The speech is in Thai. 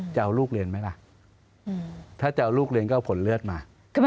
จะเอาลูกเรียนไหมล่ะถ้าจะเอาลูกเรียนก็เอาผลเลือดมา